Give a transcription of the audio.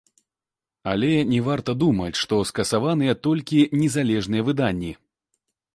Але не варта думаць, што скасаваныя толькі незалежныя выданні.